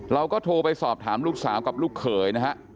เราก็โทรไปสอบถามลูกสาวกับลูกเขยนะฮะ